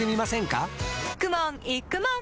かくもんいくもん